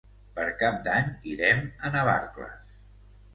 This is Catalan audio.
Per Cap d'Any irem a Navarcles.